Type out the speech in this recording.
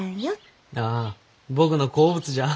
ああ僕の好物じゃ。